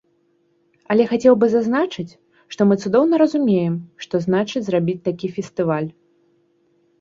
Але хацеў бы зазначыць, што мы цудоўна разумеем, што значыць зрабіць такі фестываль.